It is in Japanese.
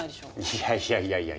いやいやいやいやいや。